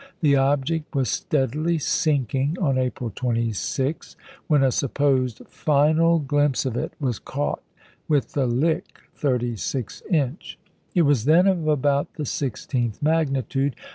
The object was steadily sinking on April 26, when a (supposed) final glimpse of it was caught with the Lick 36 inch. It was then of about the sixteenth magnitude.